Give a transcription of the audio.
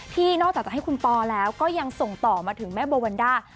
นอกจากจะให้คุณปอแล้วก็ยังส่งต่อมาถึงแม่โบวันด้า